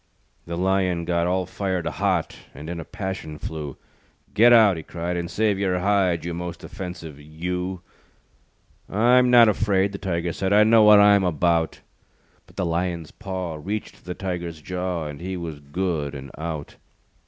The Lion got All fired hot And in a passion flew. "Get out," he cried, "And save your hide, You most offensive You." "I'm not afraid," The Tiger said, "I know what I'm about." But the Lion's paw Reached the Tiger's jaw, And he was good and out.